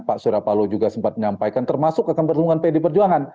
pak surya paloh juga sempat menyampaikan termasuk akan bertemukan pd perjuangan